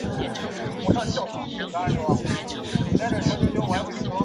重写逻辑是一种对绝大多数编程语言和系统进行规范描述的计算机逻辑。